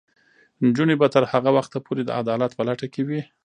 نجونې به تر هغه وخته پورې د عدالت په لټه کې وي.